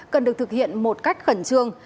cần được thực hiện một cách khẩn trương